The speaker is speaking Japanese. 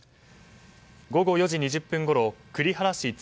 午後４時２０分ごろ栗原市